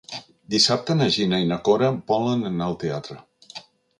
Dissabte na Gina i na Cora volen anar al teatre.